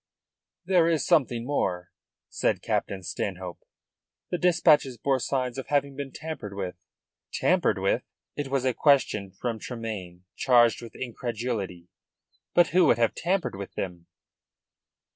"There is something more," said Captain Stanhope. "The dispatches bore signs of having been tampered with." "Tampered with?" It was a question from Tremayne, charged with incredulity. "But who would have tampered with them?"